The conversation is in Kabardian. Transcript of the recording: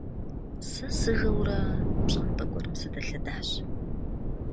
Сэ сыжэурэ пщӏантӏэ гуэрым сыдэлъэдащ.